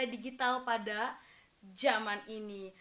digital pada zaman ini